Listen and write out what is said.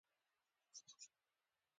کمپکشن باید سل فیصده وي